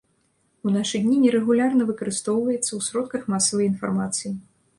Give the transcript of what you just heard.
У нашы дні нерэгулярна выкарыстоўваецца ў сродках масавай інфармацыі.